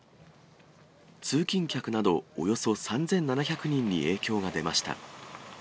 通勤客などおよそ３７００人に影響が出ました。